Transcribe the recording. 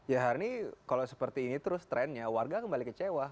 ya harni kalau seperti ini terus trendnya warga kembali kecewa